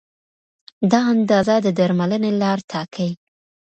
دا اندازه د درملنې لار ټاکي.